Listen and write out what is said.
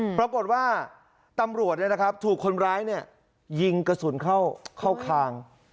ปรากฏว่าตำรวจถูกคนร้ายยิงกระสุนเข้าคาง